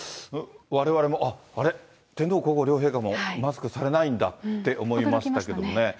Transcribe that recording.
われわれも、あっ、あれ、天皇皇后両陛下もマスクされないんだって思いましたけれどもね。